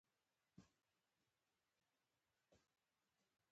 د منګولیا د حکومت د محدودیت له امله په ډېرپڅ ډول پرمخ ځي.